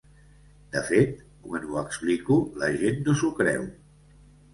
De fet, quan ho explico, la gent no s’ho creu.